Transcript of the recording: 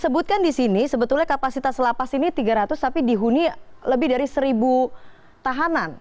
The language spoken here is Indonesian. karena kan di sini sebetulnya kapasitas lapas ini tiga ratus tapi dihuni lebih dari seribu tahanan